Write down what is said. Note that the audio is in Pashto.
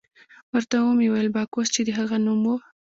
ورته ومې ویل: باکوس، چې د هغه نوم وو.